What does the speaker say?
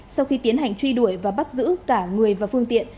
sau khi tiến hành truy đuổi và bắt giữ cả người và phương tiện